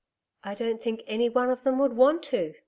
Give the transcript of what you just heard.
'I don't think any one of them would want to.'